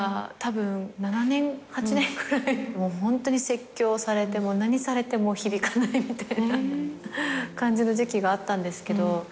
ホントに説教されても何されても響かないみたいな感じの時期があったんですけど。